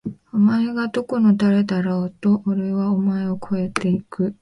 お前がどこの誰だろうと！！おれはお前を超えて行く！！